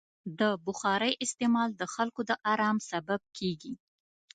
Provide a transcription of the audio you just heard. د بخارۍ استعمال د خلکو د ارام سبب کېږي.